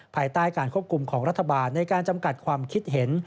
ภายใต้การควบคุมของรัฐบาลในการจำกัดความคิดเห็น